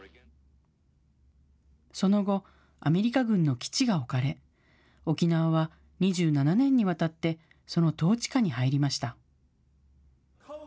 その後、アメリカ軍の基地が置かれ、沖縄は２７年にわたって、その統治下に入りました。